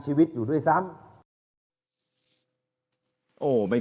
โหวตวันที่๒๒